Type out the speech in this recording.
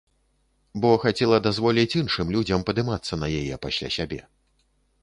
Бо хацела дазволіць іншым людзям падымацца на яе пасля сябе.